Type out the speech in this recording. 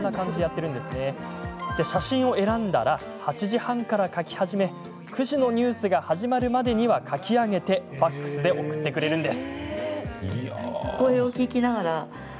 写真を選んだら８時半から描き始め９時のニュースが始まるまでには描き上げてファックスで送ってくれるんです。